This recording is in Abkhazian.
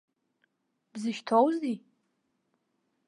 Бзышьҭоузеи?